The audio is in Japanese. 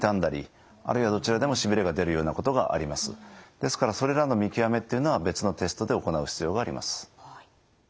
ですからそれらの見極めっていうのは別のテストで行う必要があります。